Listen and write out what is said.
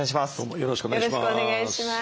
よろしくお願いします。